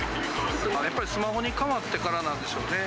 やっぱりスマホに変わってからなんでしょうね。